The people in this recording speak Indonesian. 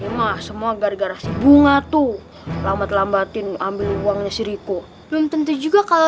emang semua garis bunga tuh lambat lambatin ambil uangnya si riko belum tentu juga kalau